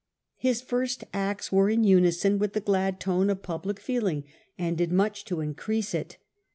His first acts were in unison with the glad tone of public feeling, and did much to in crease it.